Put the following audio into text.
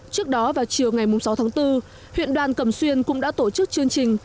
trước đó vào chiều ngày sáu tháng bốn huyện đoàn cẩm xuyên cũng đã tổ chức chương trình